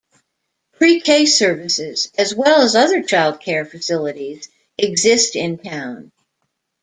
Pre-K services, as well as other child care facilities exist in town.